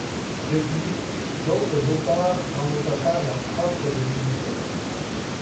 Depuis, d’autres auteurs en ont offert leur propre définition.